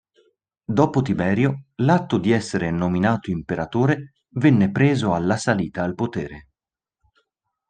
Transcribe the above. Dopo Tiberio, l'atto di essere nominato imperatore venne preso alla salita al potere.